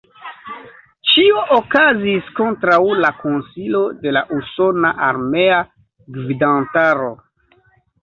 Ĉio okazis kontraŭ la konsilo de la usona armea gvidantaro.